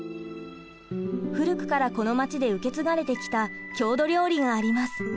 古くからこの町で受け継がれてきた郷土料理があります。